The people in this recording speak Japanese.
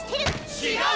違う！